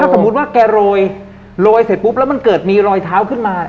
สมมุติว่าแกโรยโรยเสร็จปุ๊บแล้วมันเกิดมีรอยเท้าขึ้นมา